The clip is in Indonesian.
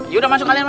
yaudah masuk kalian